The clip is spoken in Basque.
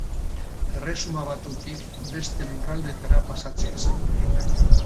Erresuma Batutik beste lurraldeetara pasatzea zen.